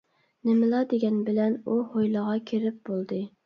نېمىلا دېگەنبىلەن ئۇ ھويلىغا كىرىپ بولدى.